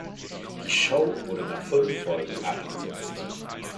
Die Show wurde nach fünf Folgen abgesetzt.